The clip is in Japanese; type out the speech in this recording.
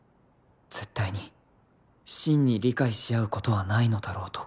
絶対に真に理解し合うことはないのだろうと